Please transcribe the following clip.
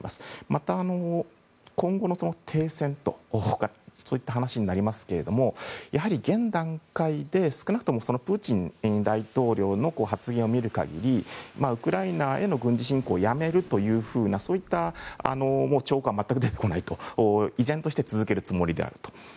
また、今後の停戦という話になりますがやはり現段階で少なくともプーチン大統領の発言を見る限りウクライナへの軍事侵攻をやめるというような兆候は全く出てこない、依然として続けるつもりであると。